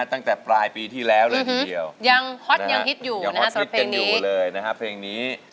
ยังฮอตฮิตอยู่เลยนะฮะเพลงนี้